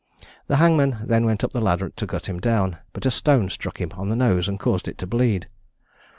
The hangman then went up the ladder to cut him down; but a stone struck him on the nose, and caused it to bleed.